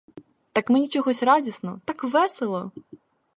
Так мені чогось радісно, так весело.